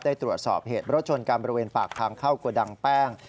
ตรวจสอบเหตุรถชนกันบริเวณปากทางเข้าโกดังแป้ง